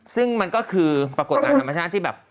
ซึ่งมันก็คือปรากฏการณ์ธรรมชาติที่แบบ